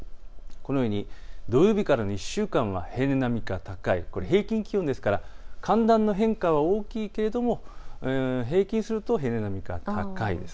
土曜日からの１週間は平年並みか高い、平均気温ですから寒暖の変化が大きいというのも平均すると平年並みに、高いです。